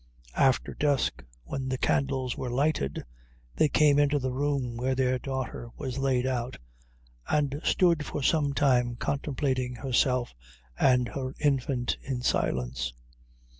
After dusk, when the candles were lighted, they came into the room where their daughter was laid out, and stood for some time contemplating herself and her infant in silence.